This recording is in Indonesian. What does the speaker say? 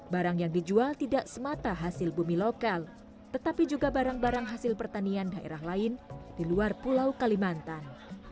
barang yang dijual tidak semata hasil bumi lokal tetapi juga barang barang hasil pertanian daerah lain di luar pulau kalimantan